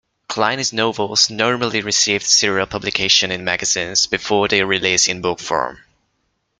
Kline's novels normally received serial publication in magazines before their release in book form.